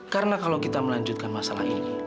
karena kalau kita melanjutkan masalah ini